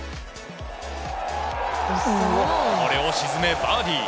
これを沈め、バーディー。